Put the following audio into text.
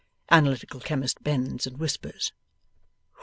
Analytical Chemist bends and whispers.